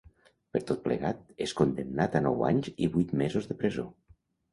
Per tot plegat, és condemnat a nou anys i vuit mesos de presó.